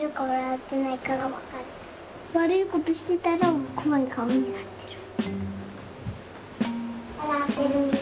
悪いことしてたら怖い顔になってる。